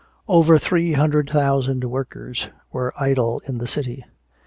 Over three hundred thousand workers were idle in the city.